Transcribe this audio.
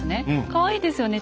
かわいいですよね。